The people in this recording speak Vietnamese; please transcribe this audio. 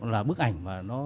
là bức ảnh mà nó